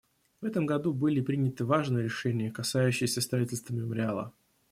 В этом году были приняты важные решения, касающиеся строительства мемориала.